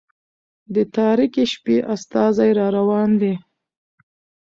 د تاريكي شپې استازى را روان دى